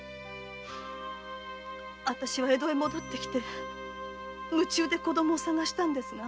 あたしは江戸へ戻り夢中で子供を捜したんですが。